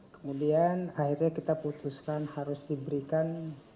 kemudian akhirnya kita putuskan harus diberikan